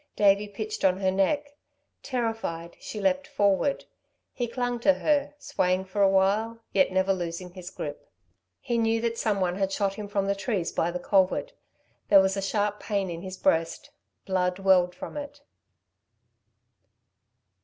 Davey pitched on her neck. Terrified, she leapt forward. He clung to her, swaying for a while, yet never losing his grip. He knew that someone had shot him from the trees by the culvert. There was a sharp pain in his breast; blood welled from it.